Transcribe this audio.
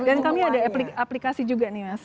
dan kami ada aplikasi juga nih mas